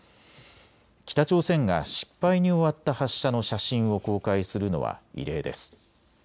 北朝鮮が失敗に終わった発射の写真を公開するのは異例です。